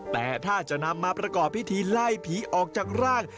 แต่ถ้าจะนำมาประกอบพิธีไล่ผีออกจากร่าง